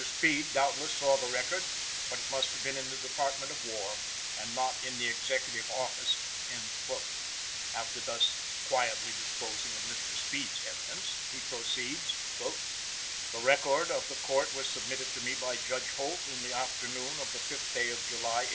Speed, doubtless, saw the record, but it must have been in the Department of War, and not in the Executive office." After thus quietly disposing of Mr. Speed's evidence, he proceeds: "The record of the court was submitted to me by Judge Holt in the afternoon of the 5th day of July, 1865.